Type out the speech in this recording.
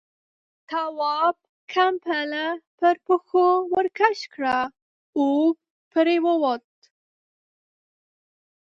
تواب ، کمپله پر پښو ورکش کړه، اوږد پرېووت.